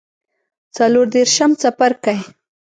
څلور دیرشم څپرکی